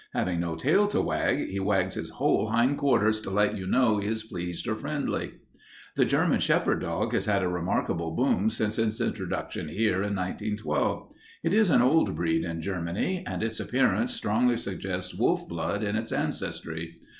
Having no tail to wag, he wags his whole hind quarters to let you know he is pleased or friendly. "The German shepherd dog has had a remarkable boom since its introduction here in 1912. It is an old breed in Germany and its appearance strongly suggests wolf blood in its ancestry.